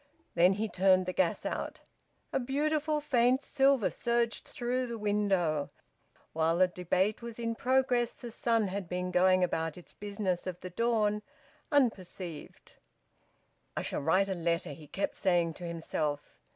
Then he turned the gas out. A beautiful faint silver surged through the window. While the debate was in progress, the sun had been going about its business of the dawn, unperceived. "I shall write a letter!" he kept saying to himself.